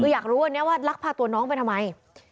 คืออยากรู้อันนี้ว่าลักพาตัวน้องไปทำไม